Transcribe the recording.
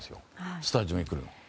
スタジオに来るの。